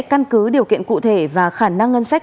căn cứ điều kiện cụ thể và khả năng ngân sách